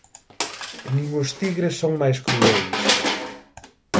nin os tigres son máis crueis.